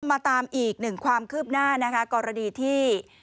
มาตามอีกหนึ่งความคืบหน้านะคะกรณีที่